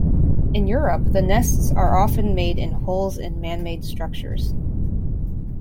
In Europe the nests are often made in holes in manmade structures.